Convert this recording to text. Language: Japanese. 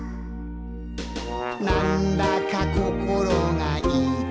「なんだかこころがいいかんじ」